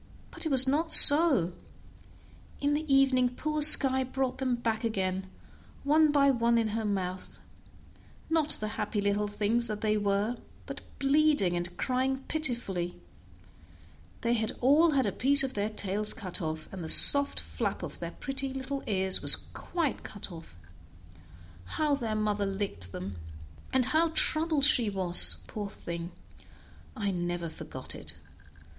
But it was not so; in the evening poor Skye brought them back again, one by one in her mouth; not the happy little things that they were, but bleeding and crying pitifully; they had all had a piece of their tails cut off, and the soft flap of their pretty little ears was cut quite off. How their mother licked them, and how troubled she was, poor thing! I never forgot it.